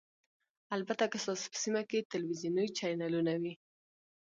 البته که ستاسو په سیمه کې تلویزیوني چینلونه وي